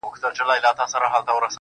لاس يې د ټولو کايناتو آزاد، مړ دي سم.